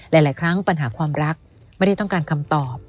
หลายครั้งปัญหาความรักไม่ได้ต้องการคำตอบ